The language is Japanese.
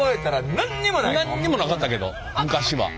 何にもなかったけど昔は。